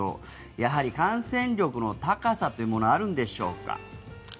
やはり感染力の高さというのもあるんでしょうか。